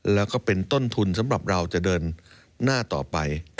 แล้วก็เป็นต้นทุนสำหรับเราจะเดินหน้าต่อไป